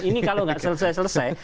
ini kalau nggak selesai selesai